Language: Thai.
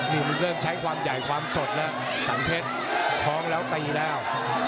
นี่มันเริ่มใช้ความใหญ่ความสดแล้วสังเพชรท้องแล้วตีแล้ว